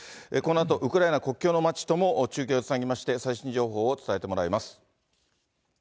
このあと、ウクライナ国境の町とも中継をつなぎまして、最新情報を伝えてもらいます。